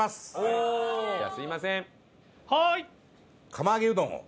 釜揚げうどんを。